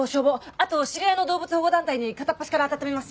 あと知り合いの動物保護団体に片っ端から当たってみます。